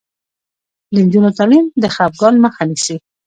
د نجونو تعلیم د خپګان مخه نیسي.